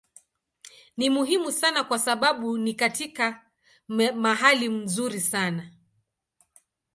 Ni muhimu sana kwa sababu ni katika mahali nzuri sana.